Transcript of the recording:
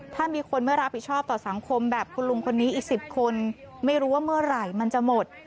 ถ้ามีคนไม่รับผิดชอบต่อสังคมแบบคุณลุงคนนี้อีก๑๐คนไม่รู้ว่าเมื่อไหร่มันจะหมด